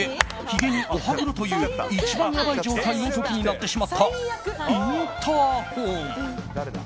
ひげにお歯黒という一番やばい状態の時に鳴ってしまったインターホン。